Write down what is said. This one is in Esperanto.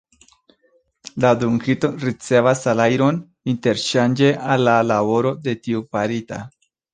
La dungito ricevas salajron interŝanĝe al la laboro de tiu farita.